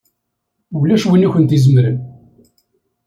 Ulac win i kent-izemren!